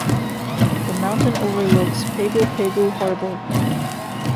The mountain overlooks Pago Pago Harbor.